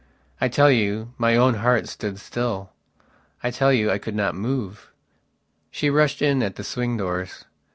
I tell you, my own heart stood still; I tell you I could not move. She rushed in at the swing doors.